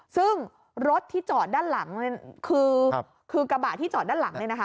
ซึ่งรถที่จอดด้านหลังคือกระบะที่จอดด้านหลังเนี่ยนะคะ